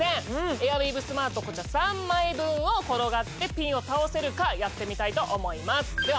エアウィーヴスマートこちら３枚分を転がってピンを倒せるかやってみたいと思います